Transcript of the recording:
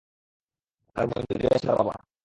তার মন জুড়ে আছে তার বাবা।